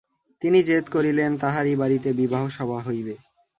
তিনি জেদ করিলেন, তাঁহারই বাড়িতে বিবাহসভা হইবে।